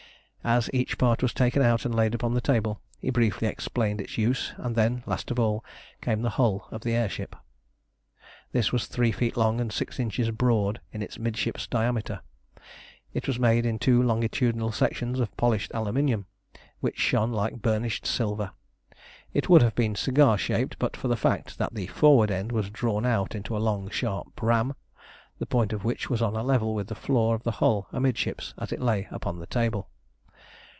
As each part was taken out and laid upon the table, he briefly explained its use; and then, last of all, came the hull of the air ship. This was three feet long and six inches broad in its midships diameter. It was made in two longitudinal sections of polished aluminium, which shone like burnished silver. It would have been cigar shaped but for the fact that the forward end was drawn out into a long sharp ram, the point of which was on a level with the floor of the hull amidships as it lay upon the table.